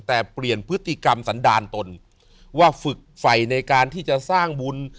แต่เปลี่ยนพฤติกรรมสันดาลตนว่าฝึกไฟในการที่จะสร้างบุญ